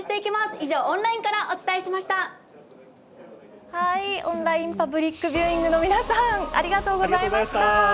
以上、オンラインからオンラインパブリックビューイングの皆さんありがとうございました。